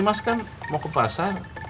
mas kan mau ke pasar